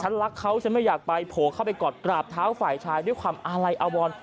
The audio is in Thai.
รักเขาฉันไม่อยากไปโผล่เข้าไปกอดกราบเท้าฝ่ายชายด้วยความอาลัยอาวร